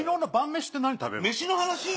飯の話？